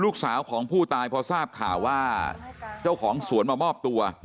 ลูกสาวของผู้ตายพอทราบข่าวว่าเจ้าของสวนมามอบตัว